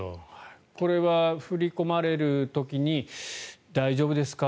これは振り込まれる時に大丈夫ですか？